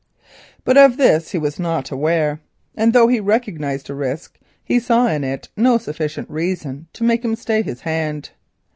But of this he was not aware, and though he recognised a risk, he saw in it no sufficient reason to make him stay his hand.